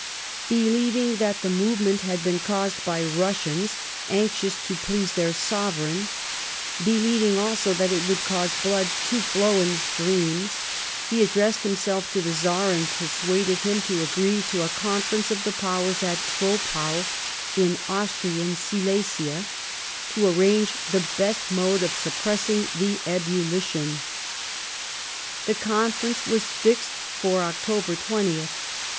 Believing that the movement had been caused by Russians, anxious to please their sovereign ; believing, also, that it would cause blood " to flow in streams," he addressed himself to the Czar, and persuaded him to agree to a Conference of the Powers at Troppau, in Austrian Silesia, to arrange the best mode of suppressing the ebullition. The Conference was fixed for October 20th.